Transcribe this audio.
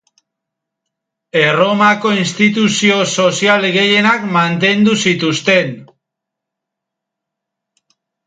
Erromako instituzio sozial gehienak mantendu zituzten.